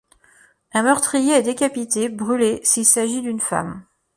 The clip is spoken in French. Un meurtrier est décapité, brûlé s'il s'agit d'une femme.